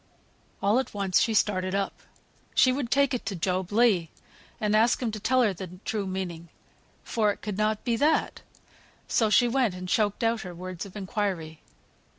All at once she started up. She would take it to Job Legh and ask him to tell her the true meaning, for it could not be that. So she went, and choked out her words of inquiry.